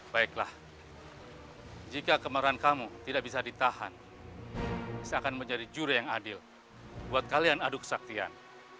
baiklah jika kemarahan kamu tidak bisa ditahan saya akan menjadi juri yang adil buat kalian adu kesaktian